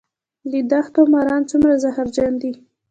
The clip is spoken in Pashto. د دښتو ماران څومره زهرجن دي؟